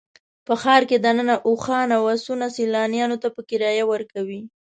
په ښار کې دننه اوښان او اسونه سیلانیانو ته په کرایه ورکوي.